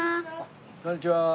こんにちは。